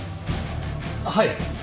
はい。